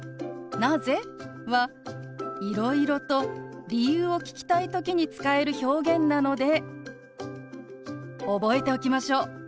「なぜ？」はいろいろと理由を聞きたい時に使える表現なので覚えておきましょう。